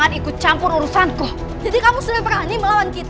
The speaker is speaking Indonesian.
aku harus segera berangkat